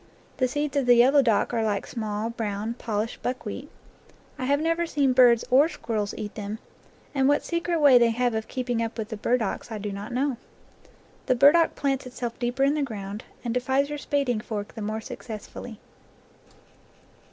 The seeds of the yellow dock are like small, brown, polished buck wheat. I have never seen birds or squirrels eat them, and what secret way they have of keeping up with the burdocks I do not know. The burdock plants it self deeper in the ground, and defies your spading fork the more successfully.